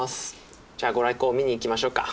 じゃあご来光見に行きましょうか。